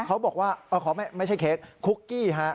เขาบอกว่าไม่ใช่เค้กคุกกี้ฮะ